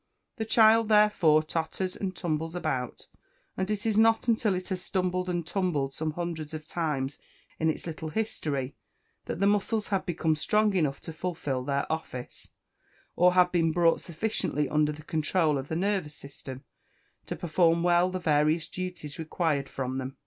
The child, therefore, totters and tumbles about, and it is not until it has stumbled and tumbled some hundreds of times in its little history, that the muscles have become strong enough to fulfil their office, or have been brought sufficiently under the controul of the nervous system, to perform well the various duties required from them.